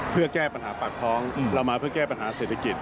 เพื่อแก้ปัญหาปากท้องเรามาเพื่อแก้ปัญหาเศรษฐกิจ